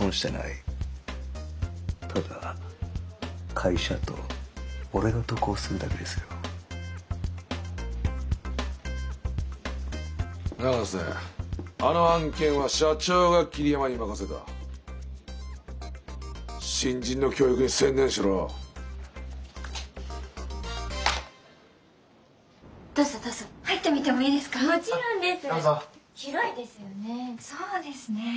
そうですね。